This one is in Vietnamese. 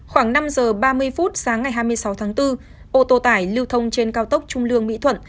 khoảng năm giờ ba mươi phút sáng ngày hai mươi sáu tháng bốn ô tô tải lưu thông trên cao tốc trung lương mỹ thuận